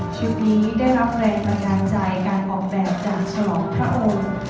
ชีวิตนี้ได้รับแรงประดันใจการออกแบบจากฉลองพระองค์